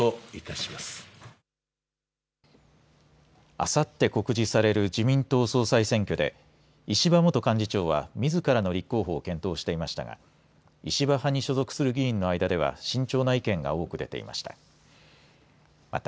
あさって告示される自民党総裁選挙で、石破元幹事長は、みずからの立候補を検討していましたが、石破派に所属する議員の間では慎重な意見が多く出ていました。